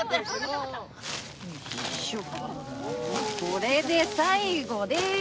これで最後でーす！